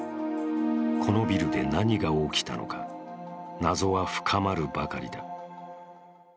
このビルで何が起きたのか、謎は深まるばかりだ。